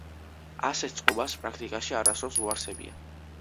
ასეთ წყობას პრაქტიკაში არასდროს უარსებია.